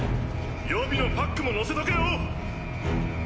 予備のパックものせとけよ。